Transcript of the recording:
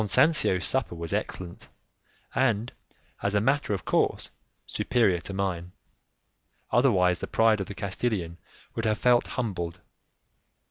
Don Sancio's supper was excellent, and, as a matter of course, superior to mine; otherwise the pride of the Castilian would have felt humbled.